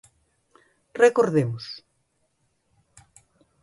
Recordemos.